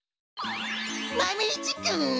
マメ１くん！